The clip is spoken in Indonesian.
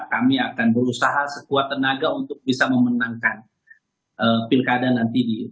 kami akan berusaha sekuat tenaga untuk bisa memenangkan pilkada nanti